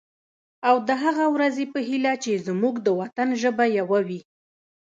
او د هغه ورځې په هیله چې زمونږ د وطن ژبه یوه وي.